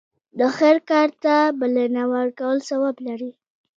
د خیر کار ته بلنه ورکول ثواب لري.